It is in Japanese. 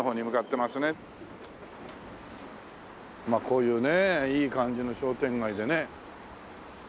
こういうねいい感じの商店街でね。